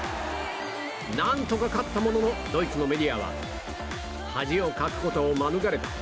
何とか勝ったもののドイツのメディアは恥をかくことを免れた。